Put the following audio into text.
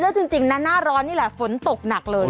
แล้วจริงนะหน้าร้อนนี่แหละฝนตกหนักเลย